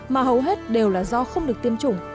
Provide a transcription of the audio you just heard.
mà hầu hết đều là do không được tiêm chủng